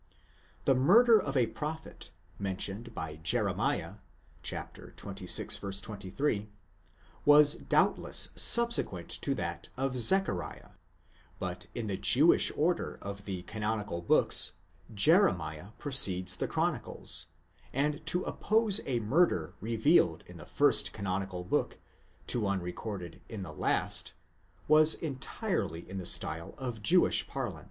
*? The murder of a prophet, mentioned by Jeremiah (xxvi. 23), was doubtless subsequent to that of Zechariah, but in the Jewish order of the canonical books, Jeremiah precedes the Chronicles; and to oppose a murder revealed in the first canonical book, to one recorded in the last, was entirely in the style of Jewish parlance.